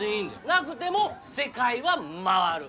なくても世界は回る。